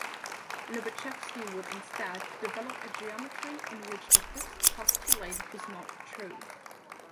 Lobachevsky would instead develop a geometry in which the fifth postulate was not true.